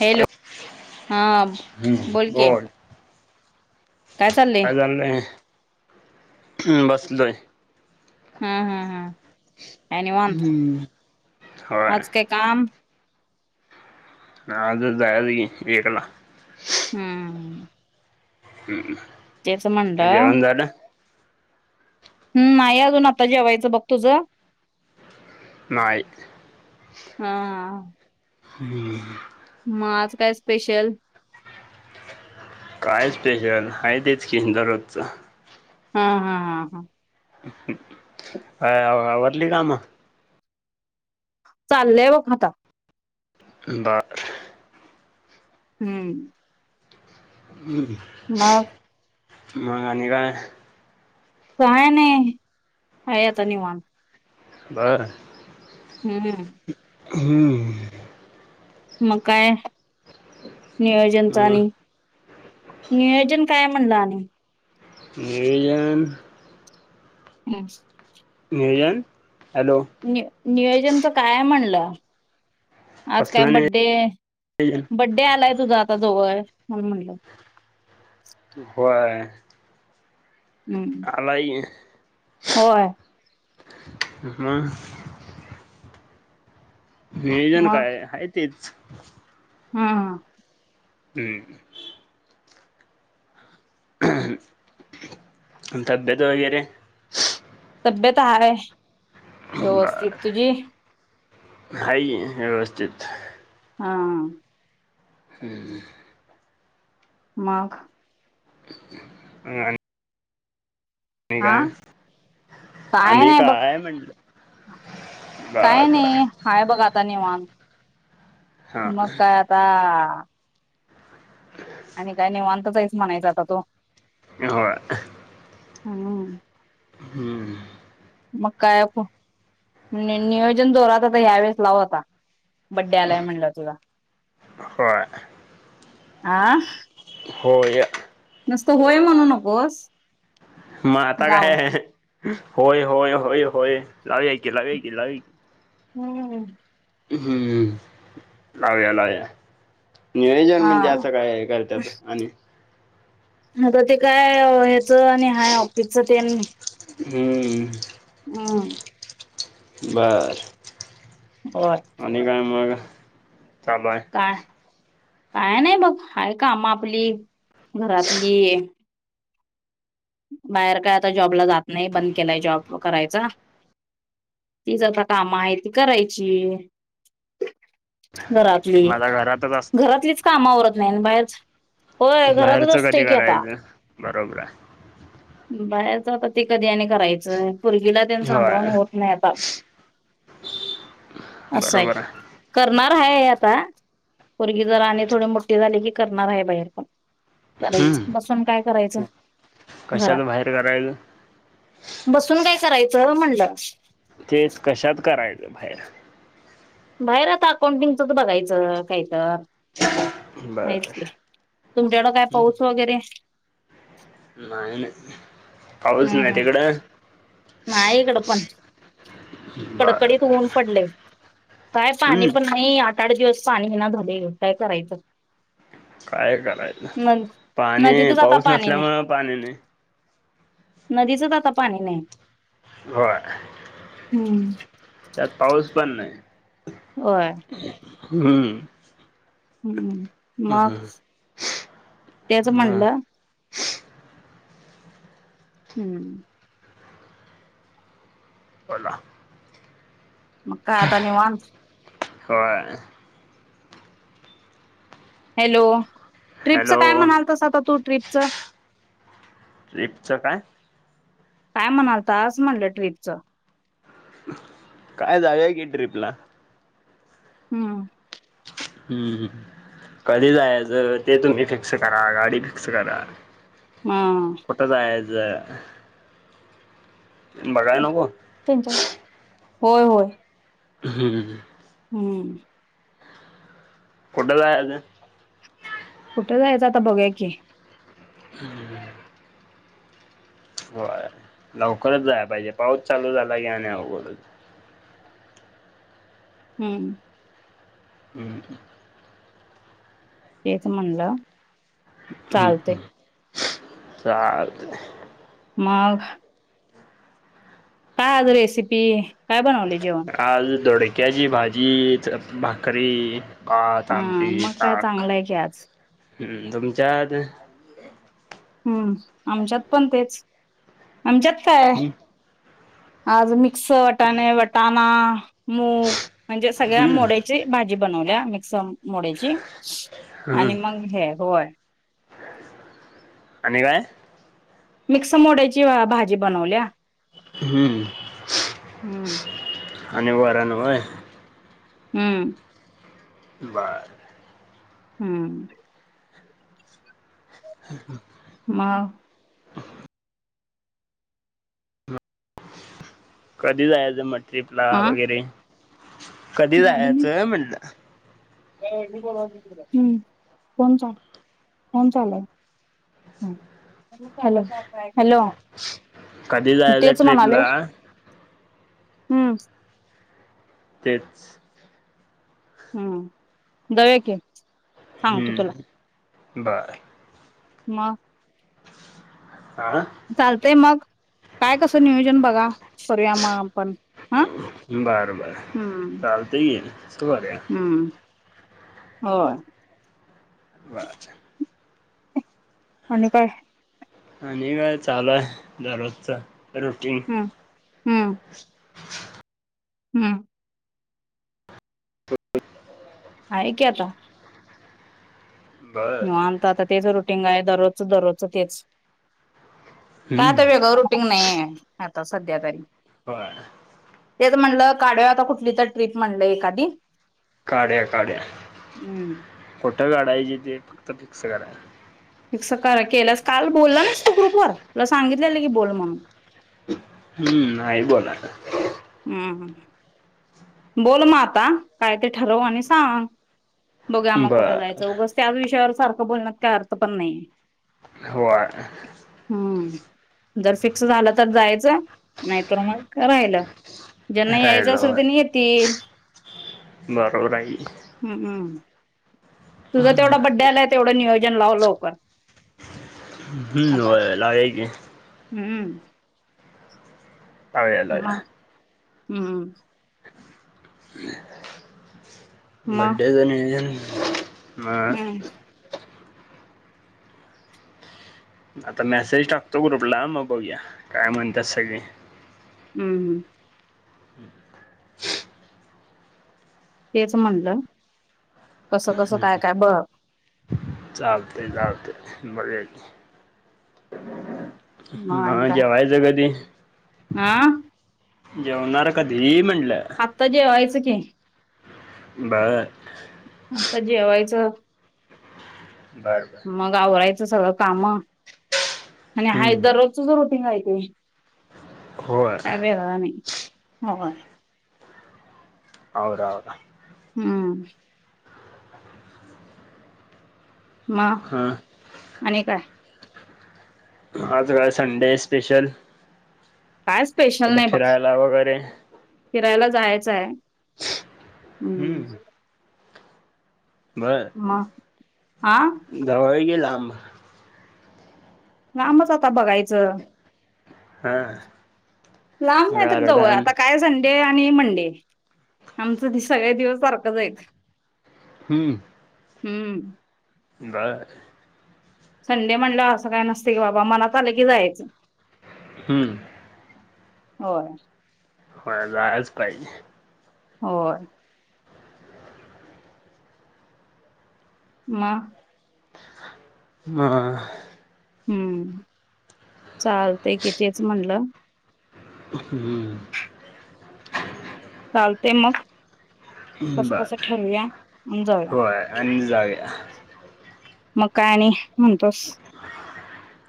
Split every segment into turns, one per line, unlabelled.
Hello! हां बोल की?
काय चाललो बसलोय.
हम, हम, काय निंवत
होय
आज काय काम?
आज जायची एकला.
हम्म.
हम्मम,
तेचं म्हणलं. हम् नाही अजून आता जेवायचं बघ तुझं?
नाहीय.
हा.
ह.
मग आज काय स्पेशल?
काय स्पेशल, आहे तेचं कि दररोजचं.
हा हा हा हा.
काय? आवरली काम.
चाललंय बघ आता.
[unintelligible]
हम्म.
हम्.
मग.
मग आणि काय?
काय नाही. आहे आता निंवात.
बरं,
हम्म.
हम्म.
मग काय? नियोजनच
मग
आणि, नियोजन काय म्हणलं आणि.
[inaudible] नीयोन
[unintelligible] [inaudible] हुम्
नियोजन हॅलो
नि नियोजनच काय म्हणलं आज काय
कसलं
बड्डे,
नियोजन
बड्डे आलाय तुझा आता जवळ म्हणुन म्हणलं
होय
हं
आलाय [inaudible] की
होय
मग नियोजन काय आहे [inaudible] तेच
[inaudible] हुम
हुम घ तब्येत वगैरे
तब्येत [inaudible] हार आहे व्यवस्थित तुझी
हाय की व्यवस्थित
हा
[unintelligible] [inaudible] हुम् हु
मग
[unintelligible] [inaudible] मग आणि आणी
हा
काय
काय
आणि
नाही बघ,
म्हटलं
काय
बर
नाही हाय बघ आता निवांत.
हा
मग काय आता आणि काय [inaudible] निवांतहीच [inaudible] म्हणायचा तु
होय ह
हुम्म
हुम्म
मग काय नियोजन जोरात आता ह्यावेेळेस लाव आता बड्डै [inaudible] यालाय म्हणलं तुजा
होय
आं
होय
होय म्हणू नकोस
मग आता काय
लाव
आहे ह ह होय होय होय होय लाउयीकी लाउया की लाउयाकी
हुम्म
हुम्म लाव्या लाव्या नियोजन
हा
म्हणजे असं काय करत्यात आणि
आता ते काय ह्याचं आणि हाय आपेच तेन
हुम्म
हुम
बर
बर
आणि काय मग चालू आहे
काय काय नाही बघ आहे काम आपली घरातली बाहेर काय आता जॉबला जात नाही बंद केलाय जॉब करायचा तीचत आता काम आहेत ती करायची घरातली
माझा घरातच असतय
घरातलीच कामावरत नाही बाहेरच होय घरातच
बाहेरचं कधी
असतोय की आता
करायचं बरोबर हाय
बाहेरचा आता ते कधी आणि करायचं पूरगीला आ तेन सांभाळून
होय
होत नाही आता असं आहे. करणार आहे आता पोरगी जरा आणि थोडे मोठ्ठी झाले की करणार आहे बाहेर पण. करायच बसून काय करायचं. घरात
कशाला बाहेर करायचं.
बसून काय करायचं म्हणलं.
तेच कशात करायचं बाहेर.
बाहेर आता अकाउंटिंगचं बघायचं काहीतर. आहेच
बर
की तुमच्याकडं काय पाऊस वगैरे.
नाही नाही पाऊस
हम्म
नाही
हम्
तिकडं.
नाही इकडंपण. कडकडीत
बर
ऊन पडलय काय पाणी
हम्म
पण नाही आता आठ दिवस पाणी हे ना झालय काय करायचं.
काय करायचं
न
पाणी
नदीतच आता
पाऊस
पाणी नाही
नसल्यामुळे पाणी नाही.
नदीचच आता पाणी नाही.
होय.
हम्म
त्यात पाऊस पण नाही.
होय.
हम्म
हम् मग तेच
हा
म्हणलं. हम्म
बोला.
मग काय आता निवांत.
होय
हॅलो ट्रीपचं
हॅलो
काय म्हणालतास आता तू ट्रीप चं.
ट्रीप चं काय?
काय म्हणालतास म्हटलं ट्रीपचं.
कायं जाऊंया की ट्रिपला.
हम्मं
हम्मं कधीं जायचं ते तुम्हीं फिक्स करां गांडी फिक्सं करां.
हां
कुठं जायचं. बघांयला नको.
त्यांच्या होयं होयं
हम्मं
हम्मं
कुठं जायचं.
कुठं जायचं आंता बघूंया की.
हम्मं बरं लवकरचं जायां पाहिजे पाऊस चालूं झालां की आणि अवघंड होईल.
हम्मं
हम्मं
तेचं म्हणलं. चालतय
हम्मं चालतं.
मांघ कायं आंज रेसिपी कायं बनवली जेवणं.
आंज दोडक्यांची भाजी भाकरी. भांत
हा
आमंटी
मग काय
तांक
चांगलंय की आज
हं तुमच्यांत.
हम्मं आमच्यांत पणं तेचं आमच्यांत कांय आंज मिक्स वटांणे वटांणा मूंग म्हणजे सगळ्यां
हम्म
मोड्यां भाजी बनवल्यां मिक्स मोड्यांची
हम्म
आणि मंग हे होयं
आणि कायं
मिक्सं मोडांयची भाजी बनवल्यां.
हम्मं
हम्म
आणि वरण होयं.
हम्मं
बरं
हम्मं
[unintelligible] [unintelligible]
मंग
कधीं जायचं मंग ट्रिपला
हा
वगैरें कधीं जायचं म्हटलं
हम्मं कोणं कोणं चालं हॅलो
कधी जायचं
तेचं म्हणांले
ट्रिपला
हम्मं
तेचं
हम्मं बघां की सांगतो तुला
हम्मं बरं
मंग
हां
चालतंय मंग कायं कसं नियोजन बघां करूंया मंग आपणं हं
बरोबर चालते की येईल बरं आहे
हम्मं होयं
बरं.
आणि काय?
आणि का चालू आहे दररोजचं रुटीन.
हम्म हम्म. हम्म.
[unintelligible]
आहे की आता.
बर
निवांत आता तेच रुटीन आहे दररोजचं दररोजचं तेच. काय
हम्म
आता वेगळं रुटींग नाही आहे आता सध्या तरी.
होय
तेच म्हटलं काढूया आता कुठली तर ट्रीप म्हणलं एखादी
काढूया काढूया
हम्म
कुठं काढायची तेे फक्त फिक्स करा.
फिक्स करा केल्या काल बोलला नाहीस तू ग्रुप वर तला सांगितलेलं की बोल म्हणून
हम्म नाही बोलाय.
हम्म हम्म. बोल मग आता काय ते ठरव आणि सांग. बघूया मग कुठं जायचं
बर
उगाच त्याच विषयावर सारखं बोलण्यात काय अर्थ पण नाही.
होय.
हम्म जर फिक्स झालं तर जायचं, नाहीतर मग राहिलं. ज्यांना
राहिल
यायचं असेल
होय
त्यांनी येतील.
बरोबर आहे की.
हम्म हम्म. तुझा तेवढं बड्डे आलंय, तेवढं नियोजन लाव लवकर.
हम्म
आता
होय लावूया की.
हम्म.
लावूया लावूया
मग हम्म. मग
बड्डेच नियोजन
हम्म
आता मेसेज टाकतो ग्रुपला मग बघूया काय म्हणतात सगळे.
हम्म हम्म.
[inaudible]
तेच म्हणलं. कसं
हां
कसं
हां.
काय काय बघ
चालतंय चालतंय बघूया की. मग जेवायचं कधी?
आं
जेवणारा कधी म्हटलं?
आत्ता जेवायचं की.
बर.
आत्ता जेवायचं.
बर बर.
मग आवरायचं सगळ कामं आणि आहे
हम्म.
दररोजच च रुटीन आहे ते.
होय
काय वेगळा नाही होय.
आवर आवर.
हम्म. मग
हा
आणि काय?
आज काय संडे स्पेशल!
काय स्पेशल
कुठं
नाही बघ,
फिरायला वगैरे
फिरायला जायचं हाय.
हम्म. बर,
मग हा
जवाई की लांब?
लांबच आता बघायचं.
हा.
लांब नाही तर जवळ
गार्डन
आता काय ज डे आणि मंडे, आमचं ते सगळे दिवस सारखंच हाईत.
हम्म.
हम्म.
बर.
संडे म्हणल्या वर असं काय नसतय की बाबा मनात आलं की जायचं.
हम्म.
होय.
होय जायाच पाहिजे.
होय. म.
म.
हम्म, चालत कि तेच म्हनलं
[unintelligible]
चालतय मग, कस
बर
बस ठरऊया, आणि जाऊया.
होय आणि जाऊया.
मग काय आणि म्हणतोस?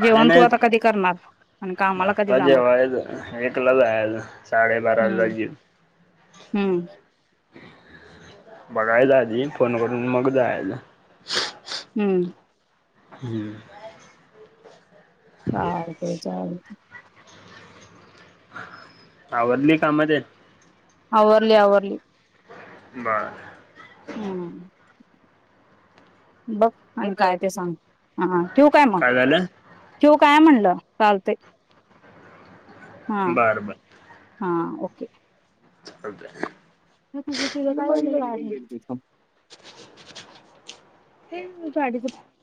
काय
जेवण तू
नाही,
आता कधी करणार आणि कामाला कधी
आता
जाणार
जेवायच एकला जायाच. साडे बाराला
हम्म
जिऊ
हम्म.
बघायचं आधी फोन करून मग जायाच.
हम्म.
हम्म.
चालतय चालत
आवरली काम तेन?
आवरली आवरली.
बर.
हम. बघ आणि काय ते सांग, हा ठेऊ काय म? ठेऊ काय म्हणलं, चालतय, हा.
बरं बरं
हा ओके.
ओके.
तुझं तिझ तिझ काय म्हणजे काय? हेंज गाडी बुक